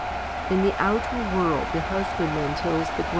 In the outer world, the husbandman tills the.